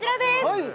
はい